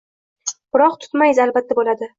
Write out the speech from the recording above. Biroq tutmayiz albatta bo‘ladi.